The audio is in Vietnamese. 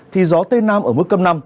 thì gió tây nam ở mức cấp năm